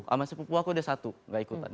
sama sepupu aku udah satu gak ikutan